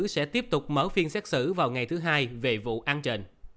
sẽ tiếp tục mở phiên xét xử vào ngày thứ hai về vụ an trền